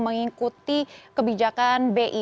mengikuti kebijakan bi